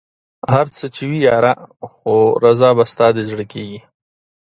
هر څه چې وي ياره خو رضا به ستا د زړه کېږي